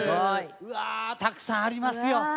うわあたくさんありますよ。